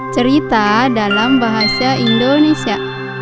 cerita dalam bahasa indonesia